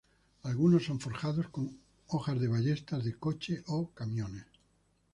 Algunos son forjados con hojas de ballestas de coches o camiones.